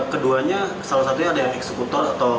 keduanya salah satunya ada yang eksekutif